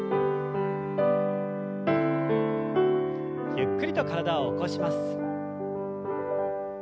ゆっくりと体を起こします。